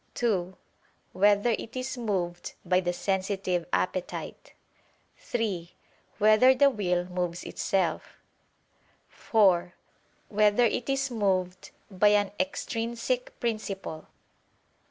(2) Whether it is moved by the sensitive appetite? (3) Whether the will moves itself? (4) Whether it is moved by an extrinsic principle?